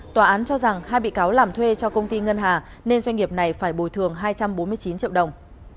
tòa án cho rằng hai bị cáo làm thuê cho công ty ngân hà nên doanh nghiệp này phải bồi thường hai trăm bốn mươi chín triệu đồng